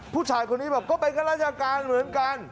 ผู้ชายคนนี้บอกก็เป็นข้าราชการเหมือนกัน